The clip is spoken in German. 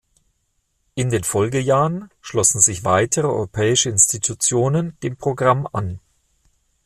In den Folgejahren schlossen sich weitere europäische Institutionen dem Programm an.